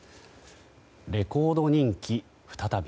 レコード人気再び。